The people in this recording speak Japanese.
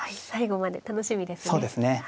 最後まで楽しみですね。